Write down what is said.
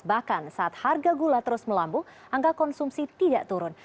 bahkan saat harga gula terus melambung angka konsumsi tidak turun